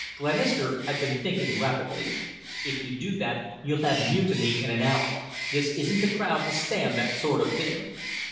Glenister had been thinking rapidly. "If you do that, you'll have mutiny in an hour. This isn't the crowd to stand that sort of thing."